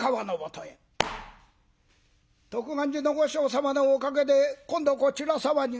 「徳願寺の和尚様のおかげで今度はこちら様に」。